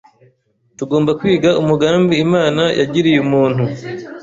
tugomba kwiga umugambi Imana yagiriye umuntu